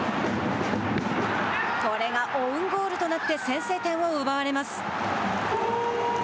これがオウンゴールとなって先制点を奪われます。